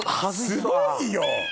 すごいよ！